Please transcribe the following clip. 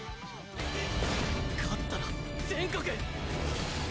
勝ったら全国！